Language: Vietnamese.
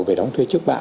về đóng thuế trước bạ